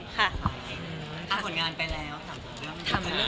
เฮ้อผลงานไปแล้วถามกันแล้วค่ะ